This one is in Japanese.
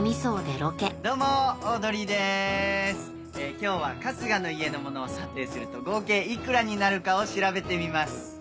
今日は春日の家の物を査定すると合計幾らになるかを調べてみます。